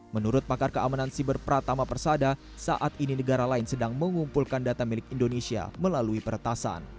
menurut pakar keamanan siber pratama persada saat ini negara lain sedang mengumpulkan data milik indonesia melalui peretasan